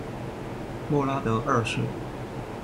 穆拉德二世。